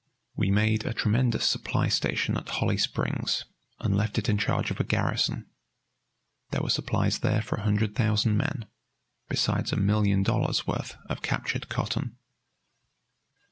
We made a tremendous supply station at Holly Springs and left it in charge of a garrison. There were supplies there for a hundred thousand men, besides a million dollars' worth of captured cotton.